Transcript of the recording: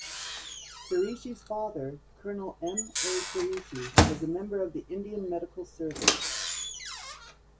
Kureishi's father, Colonel M. A. Kureishi, was a member of the Indian Medical Service.